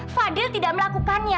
fadil tidak melakukannya pak